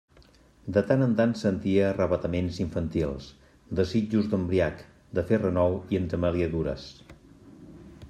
De tant en tant sentia arravataments infantils: desitjos d'embriac, de fer renou i entremaliadures.